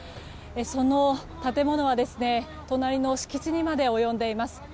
その建物は隣の敷地にまで及んでいます。